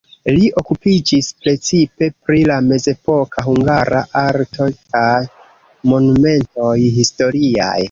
Li okupiĝis precipe pri la mezepoka hungara arto kaj monumentoj historiaj.